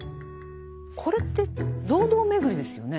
これって堂々巡りですよね。